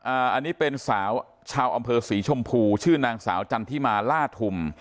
อันนี้เป็นสาวชาวอำเภอศรีชมพูชื่อนางสาวจันทิมาล่าทุม